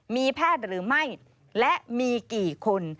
มีแพทย์หรือไม่และมีกี่คน